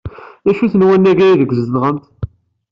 D acu n wannag aydeg tzedɣemt?